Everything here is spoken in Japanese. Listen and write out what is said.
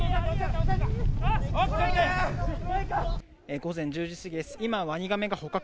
午前１０時過ぎです。